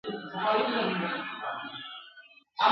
بیرغچي زخمي نه وو.